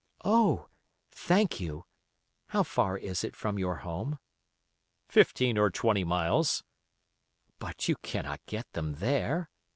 "Oh! thank you. How far is it from your home?" "Fifteen or twenty miles." "But you cannot get them there."